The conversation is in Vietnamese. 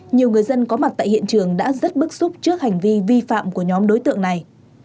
nhiều người dân có mặt tại hiện trường đã rất bức xúc trước hành vi vi phạm của nhóm đối tượng này